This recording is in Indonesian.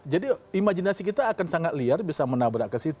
jadi imajinasi kita akan sangat liar bisa menabrak ke situ